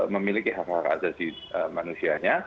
memiliki hak hak ajasi manusianya